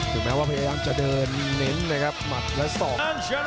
ถึงแม้ว่าพยายามจะเดินเน้นเลยครับหมัดและศอก